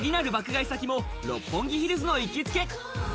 買い先も六本木ヒルズの行きつけ。